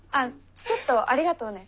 チケットありがとうね。